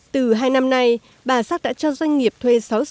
từ hai năm nay bà sắc đã cho doanh nghiệp thuê sáu xã ruộng